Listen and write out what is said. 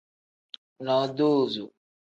Nodoozo.